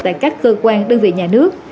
tại các cơ quan đơn vị nhà nước